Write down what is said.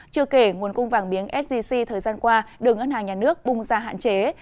chưa kể nguồn cung vàng miếng sgc thời gian qua được ngân hàng nhà nước bung ra hạn chế